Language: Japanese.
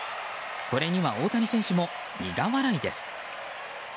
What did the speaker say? これには大谷選手も苦笑いです。